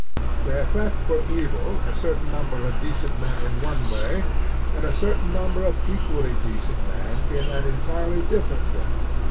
They affect for evil a certain nimiber of decent men in one way and a certain nimiber of equally decent men in an entirely different way.